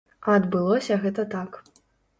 А адбылося гэта так.